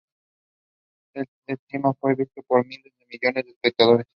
Se estima que fue visto por unos mil millones de espectadores.